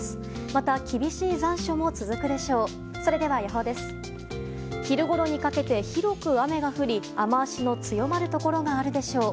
また、厳しい残暑も続くでしょう。